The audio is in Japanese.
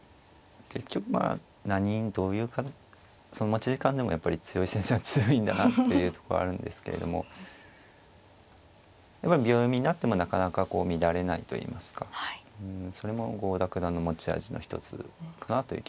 結局まあどういう持ち時間でもやっぱり強い先生は強いんだなっていうところはあるんですけれどもやっぱり秒読みになってもなかなか乱れないといいますかそれも郷田九段の持ち味の一つかなという気はしますね。